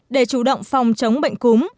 để chủ động phòng chống bệnh cúm